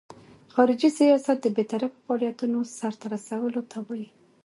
خارجي سیاست د بیطرفه فعالیتونو سرته رسولو ته وایي.